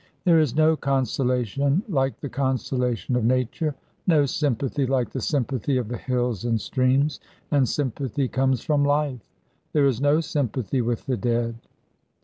There is no consolation like the consolation of Nature, no sympathy like the sympathy of the hills and streams; and sympathy comes from life. There is no sympathy with the dead.